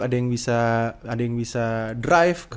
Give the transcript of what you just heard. ada yang bisa drive